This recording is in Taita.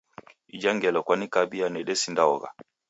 Ijha ngelo kwanikabia nedesindeogha.